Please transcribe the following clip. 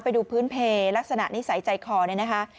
ไปดูพื้นเพลลักษณะนิสัยใจคอเนี่ยนะคะ